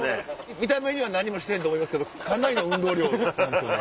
見た目は何もしてへんと思うけどかなりの運動量だったんですよ。